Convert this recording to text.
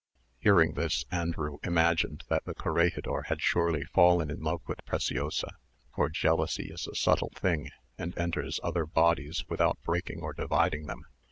Hearing this Andrew imagined that the corregidor had surely fallen in love with Preciosa; for jealousy is a subtle thing, and enters other bodies without breaking or dividing them.